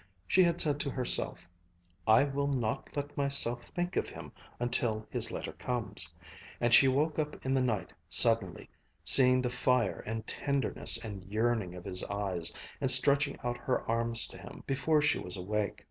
She had said to herself, "I will not let myself think of him until his letter comes," and she woke up in the night suddenly, seeing the fire and tenderness and yearning of his eyes, and stretching out her arms to him before she was awake.